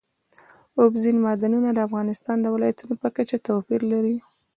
اوبزین معدنونه د افغانستان د ولایاتو په کچه توپیر لري.